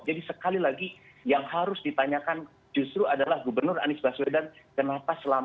jadi sekali lagi yang harus ditanyakan justru adalah gubernur anies baswedan kenapa selama